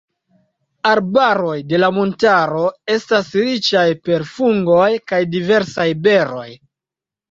Arbaroj de la montaro estas riĉaj per fungoj kaj diversaj beroj.